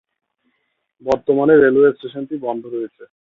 বর্তমানে রেলওয়ে স্টেশনটি বন্ধ রয়েছে।